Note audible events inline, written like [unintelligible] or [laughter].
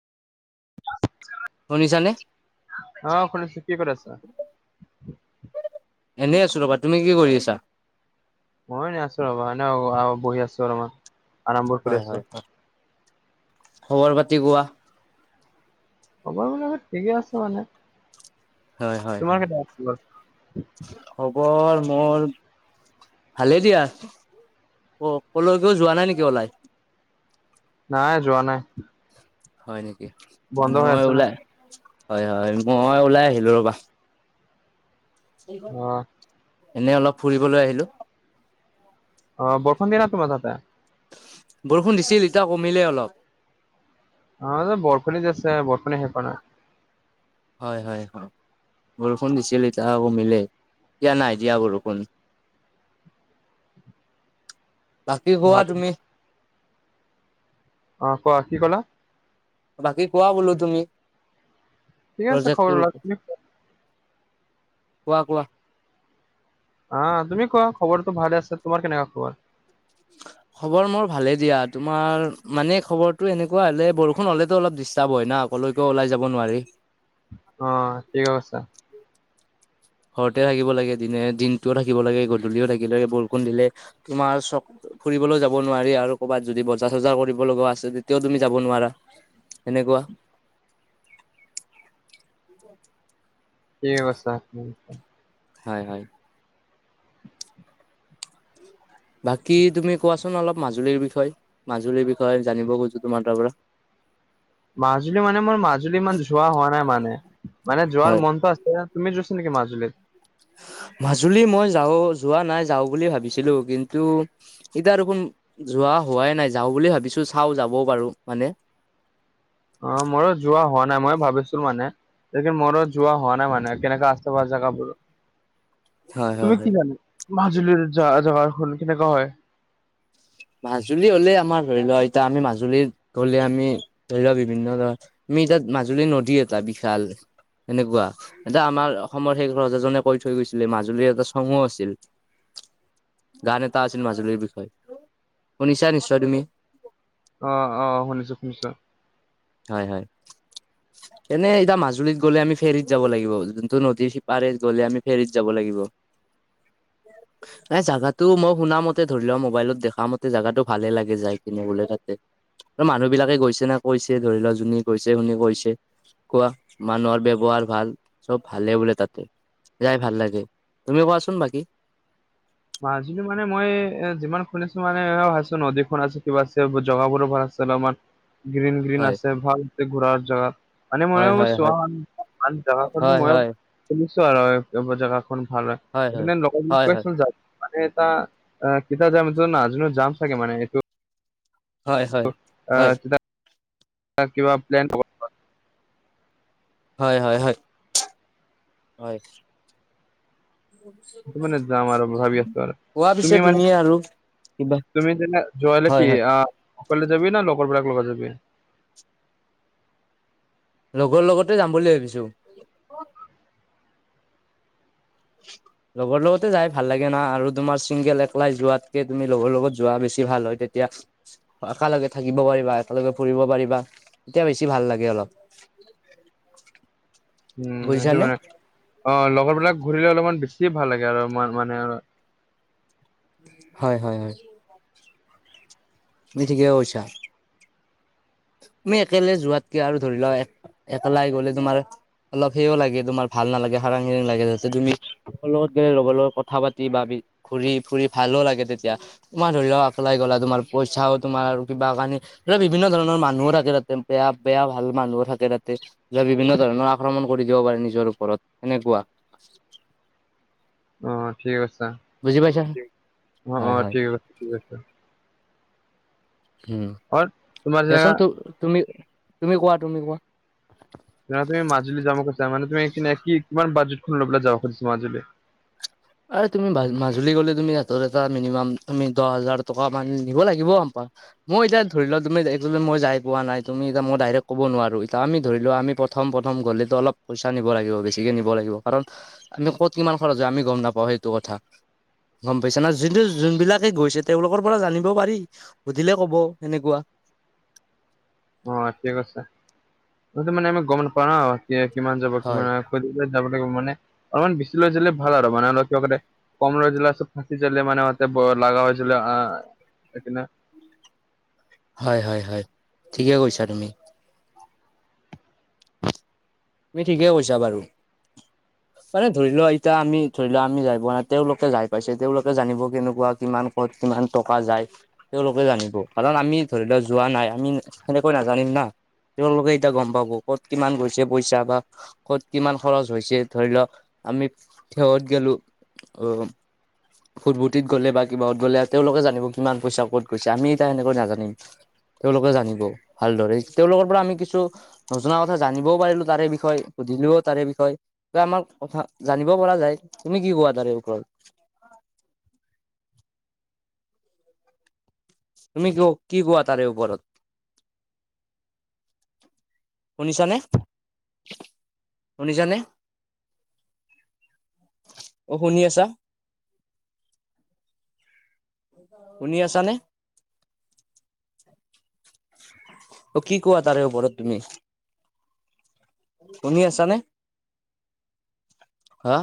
শুনিছানে? অ', শুনিছোঁ, কি কৰি আছা? এনেই আছোঁ ৰবা, তুমি কি কৰি আছা? মইও এনে আছোঁ ৰবা এনে অ, বহি আছোঁ ৰবা। হয়-হয়-হয়, খবৰ পাতি কোৱা? [unintelligible] ঠিকে আছে মানে। হয় হয় তোমাৰ হয় কেইটা [unintelligible] খবৰ মোৰ, ভালেই দিয়া। অ', কলৈকো যোৱা নাই নেকি ওলাই? নাই যোৱা নাই। হয় নেকি? বন্ধ হৈ মই আছে না ওলাই হয় - হয় মই ওলাই আহিলোঁ ৰবা। অ [unintelligible] এনে অলপ ফুৰিবলৈ আহিলোঁ। অ', বৰষণ দিয়া নাই তোমাৰ তাতে? বৰষুণ দিছিল এতিয়া কমিলে অলপ। আমাৰ যে বৰষুণে দি আছে, বৰষুণে শেষ হোৱা নাই। হয় - হয় [unintelligible] বৰষুণ দিছিল এতিয়া আকৌ কমিলে। এতিয়া নাই দিয়া বৰষুণ। বাকী ভাত কোৱা তুমি? কোৱা, কি ক'লা? বাকী কোৱা বোলোঁ তুমি, ঠিক আছে খবৰ প্ৰজেক্টতোৰ লোৱা ওপৰত? তুমি কোৱা-কোৱা? আ তুমি কোৱা, খবৰটো ভালে আছে। তোমাৰ কেনেকুৱা খবৰ? [inaudible] খবৰ মোৰ ভালেই দিয়া, তোমাৰ মানে খবৰটো এনেকুৱা হ'লে বৰষুণ হ'লেতো অলপ ডিষ্টাৰ্ব হয় না? কলেকেওঁ ওলাই যাব নোৱাৰি। অ', ঠিকে কৈছা। ঘৰতে থাকিব লাগে দিনে দিনটোও থাকিব লাগে গধূলিও থাকিব লাগে বৰষুণ দিলে, তোমাৰ চক ফুৰিবলৈও যাব নোৱাৰি আৰু কবাত যদি বজা চজাৰ কৰিব লগা আছে তেতিয়াও তুমি যাব নোৱাৰা। এনেকুৱা। থিকে কৈছা তুমি। হয়-হয়। [inaudible] বাকী তুমি কোৱাচোন অলপ মাজুলীৰ বিষয়ে, মাজুলীৰ বিষয়ে জানিব খোজোঁ তোমাৰ তাৰ পৰা? মাজুলী মানে মোৰ মাজুলী ইমান যোৱা হোৱা নাই মানে, মানে যোৱাৰ হয় মনতটো আছে [unintelligible] তুমি গৈছা নেকি মাজুলত? মাজুলী মই যাওঁ যোৱা নাই, যাওঁ বুলি ভাবিছিলোঁ কিন্তু এতিয়া দেখোন যোৱা হোৱাই নাই, যাওঁ বুলি ভাবিছোঁ চাও যাবও পাৰো মানে। অ', মইো যোৱা হোৱা নাই, মই ভাবিছোঁ মানে। তাকে মোৰ যোৱা হোৱা নাই মানে কেনেকে আছে বা যেগা বোৰ? হয় হয় তুমি হয় কি জানা মাজুলীৰ জ জেগাখন কেনেকা হয়? মাজুলী হ'লে আমাৰ ধৰি লোৱা এতিয়া আমি মাজুলীত গলে আমি ধৰি লোৱা বিভিন্ন ধৰ আমি তাত মাজুলী নদী এটা বিশাল, এনেকুৱা। এতিয়া আমাৰ অসমৰ সেইষ ৰজাজনে কৈ থৈ গৈছিলে মাজুলীৰ এটা চঙো আছিল। গান এটা আছিল মাজুলীৰ বিষয়ে। শুনিছা নিশ্চয় তুমি? অ', অ', শুনিছোঁ-শুনিছোঁ। হয়-হয়। এনে এতিয়া মাজুলীত গলে আমি ফেৰীত যাব লাগিব, যোনটো নদী সিপাৰত গ'লে আমি ফেৰীত যাব লাগিব। [inaudible] এই জেগাতটো মই শুন মতে ধৰি লোৱা মোবাইলত দেখা মতে জাগাটো ভালে লাগে যাই পিনে বোলে তাতে। আৰু মানুহ বিলাকে গৈছে নে কৈছে ধৰি লোৱা যোনে গৈছে শুনি কৈছে। কোৱা মানুহৰ ব্যৱহাৰ ভাল, চব ভালে বোলে তাতে। যাই ভাল লাগে, তুমিও কোৱাচোন বাকী? মাজোলি মানে মই এ যিমান শুনিছোঁ মানে ভাবিছোঁ নদী খন আছে কিবা আছে জগাবোৰো ভাল আমাৰ গ্ৰীণ-গ্ৰীণ হয় আছে ভাল ঘোঁৰা জেগা। মানে হয় মইও হয় হয় চোৱা মানে জেগাখন টো হয় মইও হয় শুনিছো আৰু এই ব জেগাখন ভাল হয়, সেইকানে লগৰবোক কৈ আছিলোঁ যাওঁ। মানে এটা অ', কেতিয়া যাম এইটো নজানো, যাম চাগে মানে এইটো হয় হয় হয় এ- [unintelligible] কিবা প্লেন হয়-হয়-হয়, হয়। সেইটো মানে যাম আৰু ভাবি আছো আৰু কোৱা পিছে মানে তুমি আৰু? কিবা তুমি তেনে যোৱা হয় নিকি, হয় আহ অকলে যাবি না লোক বিলাক লগত যাবি? লগৰ লগতে যাম বুলি ভাবিছোঁ। [inaudible] লগৰ লগতে যাই ভাল লাগে না আৰু তোমাৰ চিংগেল একলাই যোৱাতকে তুমি লগৰ লগত যোৱা বেছি ভাল হয়। তেতিয়া একেলগে থাকিব পাৰিবা, একেলগে ফুৰিব পাৰিবা। তেতিয়া বেছি ভাল লাগে অলপ। উম। উম' সেই বুজিছানে মানে। অ', লগৰ বিলাক ঘূৰিলে অলপমান বেছি ভাল লাগে আৰু মানে আৰু। হয়-হয়-হয়। তুমি ঠিকে কৈছা। তুমি একেলাই যোৱাতকে আৰু ধৰি লোৱা একেলাই গ'লে তোমাৰ অলপ সেও লাগে তোমাৰ ভাল নালাগে, হাৰাং-হাৰাং লাগে যাতে তুমি লগৰ লগত গ'লে লগৰ লগত কথা পাতি বা ঘূৰি-ফুৰি ভালো লাগে তেতিয়া। তোমাৰ ধৰি লোৱা, একলাই গলা তোমাৰ পইচাও তোমাৰ কিবা কানি ধৰি লোৱা বিভিন্ন ধৰণৰ মানুহো থাকে তাতে বেয়া-বেয়া ভাল মানুহো থাকে তাতে। যে বিভিন্ন ধৰণৰ আক্ৰমণ কৰি দিব পাৰে নিজৰ ওপৰত এনেকুৱা। অ', ঠিকে কৈছা। বুজি পাইছা অ', হয় অ', হয় ঠিকে কৈছা-ঠিকে কৈছা। উম, হয় তোমাৰ দিয়াচোন যেনেকা তু, তুমি-তুমি কোৱা-তুমি কোৱা? তুমি মাজুলী যাম কৈছা, মানে তুমি কি কিমান বাজেতখন লৈ পেলাই যাবা খোজিছা মাজুলী? আৰু তুমি মাজুলী গ'লে তুমি হাতত এটা মিনিমাম তুমি দহ হাজাৰ টকা মান নিব লাগিব আম মই এতিয়া ধৰি লোৱা তুমি একচুৱালী মই যাই পোৱা নাই, তুমি এয়া মই ডাইৰেক্ট ক'ব নোৱাৰোঁ, এতিয়া আমি ধৰিলোৱা আমি প্ৰথম-প্ৰথম গ'লে টো অলপ পইচা নিব লাগিব বেছিকে নিব লাগিব, কাৰণ আমি ক'ত কিমান খৰচ হয় আমি গম নাপ অ', সেইটো কথা, গম পাইছা না? যোনটো যোনবিলাকে গৈছে তেওঁলোকৰ পৰা জানিব পাৰি। সুধিলে ক'ব হেনেকুৱা। অ', ঠিক কৈছা, মানে আমি গম নাপাও ন কিমান যাব কিমান হয় যাব লাগিব মানে অলপমান বেছি লৈ গলে ভাল আৰু মানে অলপ কিবা কৰে কম লৈ যালে আ ফাঁচি যালে মানে মতে লাগা হৈ যালে সেইকানে [unintelligible] হয়-হয়-হয়, ঠিকে কৈছা তুমি। তুমি ঠিকে কৈছা বাৰু। মানে ধৰি লোৱা এতিয়া আমি ধৰি লোৱা আমি যাই পোৱা নাই, তেওঁলোকে যাই পাইছে তেওঁলোকে জানিব কেনেকুৱা কিমান ক'ত কিমান টকা যায়। তেওঁলোকে জানিব, কাৰণ আমি ধৰি লোৱা যোৱা নাই, আমি সেনেকৈ নাজানিম না? তেওঁলোকে এতিয়া গম পাব ক'ত কিমান গৈছে পইচা বা ক'ত কিমান খৰচ হৈছে, ধৰি লোৱা আমি থিয়ত গেলোঁ উম ভুটভুটিত গ'লে বা কিবাত গ'লে, তেওঁলোকে জানিব কিমান পইচা ক'ত গৈছে, আমি এতিয়া এনেকৈ নাজানিম। তেওঁলোকে জানিব ভালদৰে, তেওঁলোকৰ পৰা আমি কিছু নজনা কথা জানিবও পাৰিলোঁ তাৰে বিষয় সুধিলোঁ, তাৰে বিষয় দে আমাৰ কথা জানিব পৰা যায়, তুমি কি কোৱা তাৰে ওপৰত? তুমি কিয় কি কোৱা তাৰে ওপৰত? শুনিছানে, শুনিছানে? অ', শুনি আছা? শুনি আছ নে? অ', কি কোৱা তাৰে ওপৰত তুমি? শুনি আছানে? হা